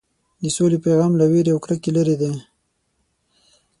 د سولې پیغام له وېرې او کرکې لرې دی.